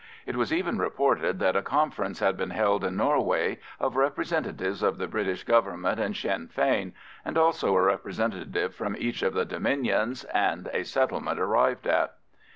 It was even reported that a conference had been held in Norway of representatives of the British Government and Sinn Fein, and also a representative from each of the Dominions, and a settlement arrived at.